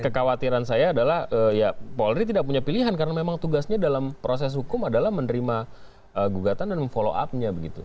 kekhawatiran saya adalah ya polri tidak punya pilihan karena memang tugasnya dalam proses hukum adalah menerima gugatan dan memfollow up nya begitu